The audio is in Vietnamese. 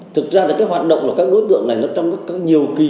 thực ra là cái hoạt động của các đối tượng này nó trong nhiều kỳ